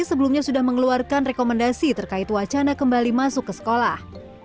sebelumnya sudah mengeluarkan rekomendasi terkait wacana kembali masuk ke sekolah